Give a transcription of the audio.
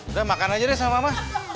udah makan aja deh sama mama